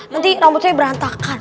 nanti rambut saya berantakan